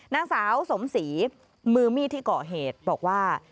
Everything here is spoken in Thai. นางสาวสมศรีมือมีดที่เกาะเหตุบอกว่า